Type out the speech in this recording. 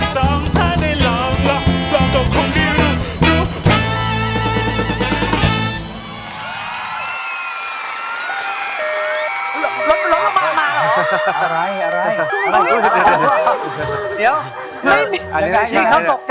ต้องเธอได้ลองลองลองก็คงได้ลุ่ม